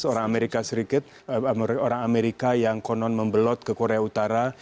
orang amerika serikat orang amerika yang konon membelot ke korea utara